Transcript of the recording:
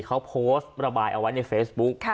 เขาโพสต์ระบายเอาไว้ในเฟซบุ๊ก